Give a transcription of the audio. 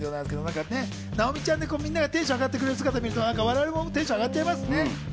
直美ちゃんで、みんながテンション上がってくれる姿を見ると我々も上がっちゃいますね。